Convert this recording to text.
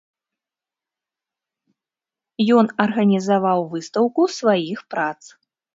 Ён арганізаваў выстаўку сваіх прац.